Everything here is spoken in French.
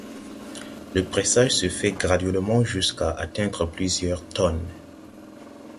Le pressage se fait graduellement jusqu’à atteindre plusieurs tonnes.